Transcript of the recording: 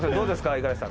五十嵐さん